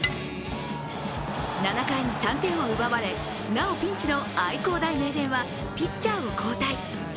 ７回に３点を奪われ、なおピンチの愛工大名電はピッチャーを交代。